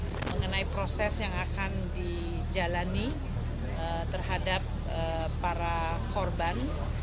ini mengenai proses yang akan dijalani terhadap para korban